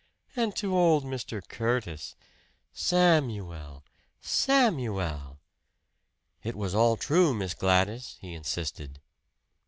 And to old Mr. Curtis! Samuel! Samuel!" "It was all true, Miss Gladys," he insisted.